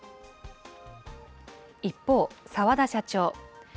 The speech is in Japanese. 一方、澤田社長。